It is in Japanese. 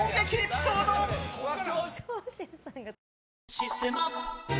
「システマ」